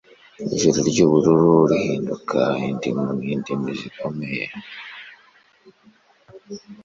Ijuru ryubururu rihinduka indimu nindimi zikomeye